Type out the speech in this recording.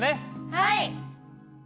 はい！